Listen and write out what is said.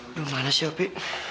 aduh manas ya opi